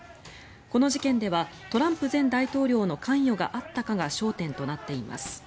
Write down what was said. この事件ではトランプ前大統領の関与があったかが焦点となっています。